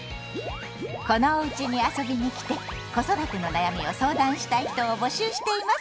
この「おうち」に遊びに来て子育ての悩みを相談したい人を募集しています！